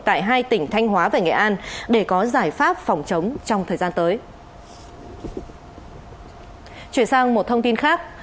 tại hai tỉnh thanh hóa và nghệ an để có giải pháp phòng chống trong thời gian tới